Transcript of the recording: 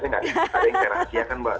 saya gak ada yang saya rahasiakan mbak